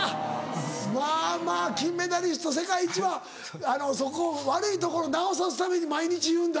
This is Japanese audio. まぁまぁ金メダリスト世界一はそこを悪いところ直さすために毎日言うんだ。